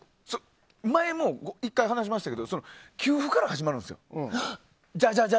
前も１回話しましたけど休符から始まるんですよ。